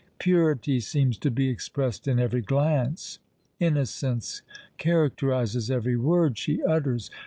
Purity seems to be expressed in every glance:—innocence characterises every word she utters!